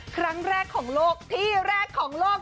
ครั้งแรกของโลกที่แรกของโลก